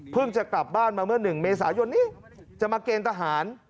จะกลับบ้านมาเมื่อ๑เมษายนนี้จะมาเกณฑ์ทหาร